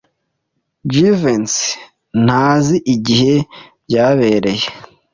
Jivency ntazi igihe byabereye.